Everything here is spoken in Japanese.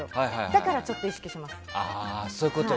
だからちょっと意識します。